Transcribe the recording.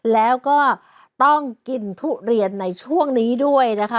แล้วก็ต้องกินทุเรียนในช่วงนี้ด้วยนะคะ